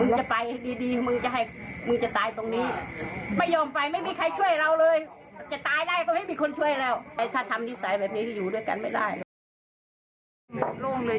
มีมีแต่ไม่ได้ทำไมค่ะเค้าขูเฉย